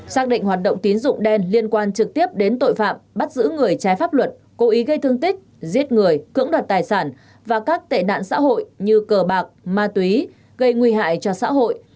xác định hoạt động tín dụng đen liên quan trực tiếp đến tội phạm bắt giữ người trái pháp luật cố ý gây thương tích giết người cưỡng đoạt tài sản và các tệ nạn xã hội như cờ bạc ma túy gây nguy hại cho xã hội